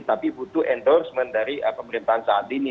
tapi butuh endorsement dari pemerintahan saat ini